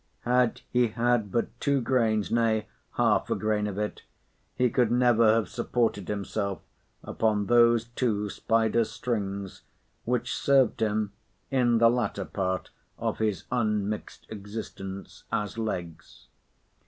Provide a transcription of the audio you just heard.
Had he had but two grains (nay, half a grain) of it, he could never have supported himself upon those two spider's strings, which served him (in the latter part of his unmixed existence) as legs.